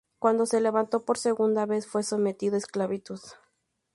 Cuando se levantó por segunda vez fue sometido esclavitud.